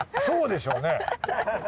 そうでしょうね！